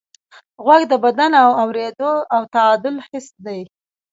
غوږ د بدن د اورېدو او تعادل حس دی.